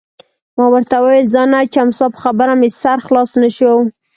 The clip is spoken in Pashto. ما ورته وویل: ځان نه اچوم، ستا په خبره مې سر خلاص نه شو.